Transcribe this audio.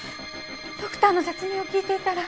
ドクターの説明を聞いていたら。